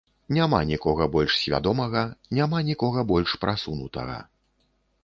Няма нікога больш свядомага, няма нікога больш прасунутага.